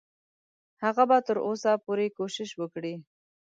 هغه به تر اوسه پورې کوشش وکړي.